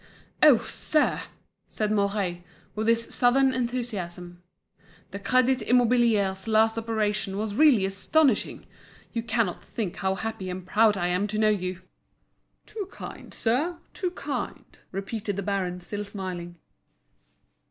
"Oh! sir," said Mouret, with his Southern enthusiasm, "the Crédit Immobilier's last operation was really astonishing! You cannot think how happy and proud I am to know you." "Too kind, sir, too kind," repeated the baron, still smiling.